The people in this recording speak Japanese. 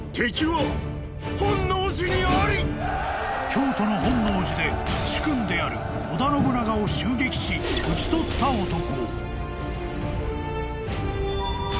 ［京都の本能寺で主君である織田信長を襲撃し討ち取った男］